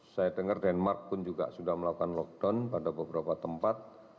saya dengar denmark pun juga sudah melakukan lockdown pada beberapa tempat